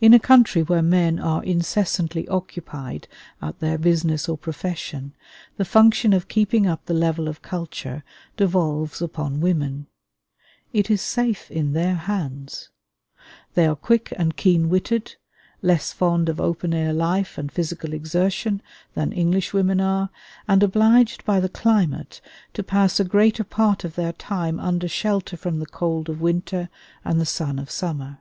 In a country where men are incessantly occupied at their business or profession, the function of keeping up the level of culture devolves upon women. It is safe in their hands. They are quick and keen witted, less fond of open air life and physical exertion than English women are, and obliged by the climate to pass a greater part of their time under shelter from the cold of winter and the sun of summer.